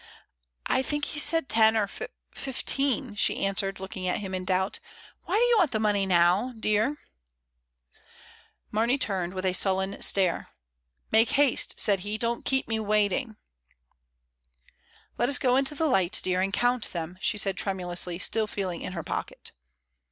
"I think he said ten or f — fifteen," she an swered, looking at him in doubt. "Why do you want the money now, dear?" 58 MRS. DYMOND. Mamey turned, with a sullen stare; "Make haste," said he. "Don't keep me waiting." "Let us go to the light, dear, and count them," she said tremulously, still feeling in her pocket.